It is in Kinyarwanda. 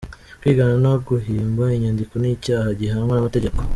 Kwigana no guhimba inyandiko ni icyaha gihanwa n’amategeko.